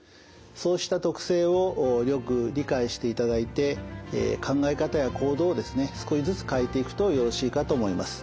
そうした特性をよく理解していただいて考え方や行動をですね少しずつ変えていくとよろしいかと思います。